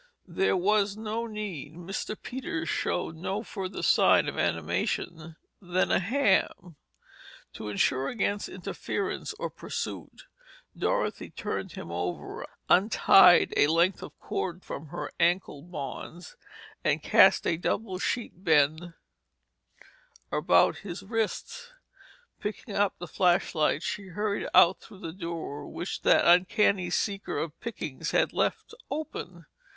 There was no need. Mr. Peters showed no further sign of animation than a ham. To insure against interference or pursuit, Dorothy turned him over, untied a length of cord from her ankle bonds, and cast a double sheet bend about his wrists. Picking up the flashlight, she hurried out through the door which that canny seeker of "pickings" had left open.